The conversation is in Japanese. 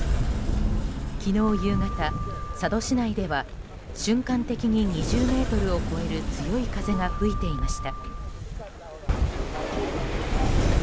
昨日夕方、佐渡市内では瞬間的に２０メートルを超える強い風が吹いていました。